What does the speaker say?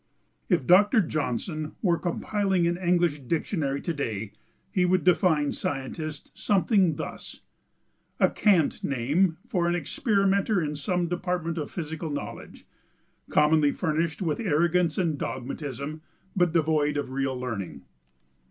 If Doctor Johnson were compiling an English dictionary to day he would define "scientist" something thus: "A cant name for an experimenter in some department of physical knowledge, commonly furnished with arrogance and dogmatism, but devoid of real learning."